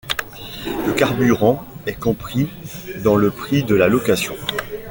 Le carburant est compris dans le prix de la location.